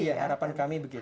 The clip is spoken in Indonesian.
iya harapan kami begitu